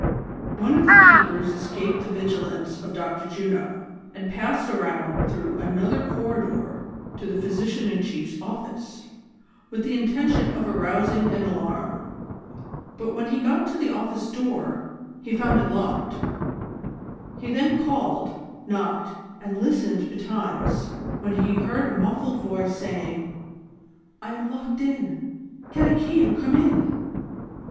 One of the keepers escaped the vigilance of Dr. Juno, and passed around through another corridor to the physician in chief 's office, wath the intention of arous ing an alarm ; but when he got to the office door, he found it locked ; he then called, knocked and listened betimes, when he heard a muffled voice saying :" I am locked in ; get a key and come in."